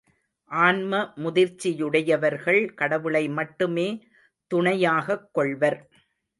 ஆன்ம முதிர்ச்சியுடையவர்கள் கடவுளை மட்டுமே துணையாகக் கொள்வர்.